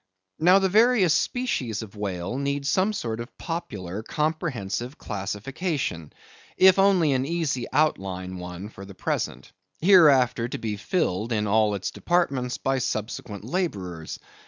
Now the various species of whales need some sort of popular comprehensive classification, if only an easy outline one for the present, hereafter to be filled in all its departments by subsequent laborers.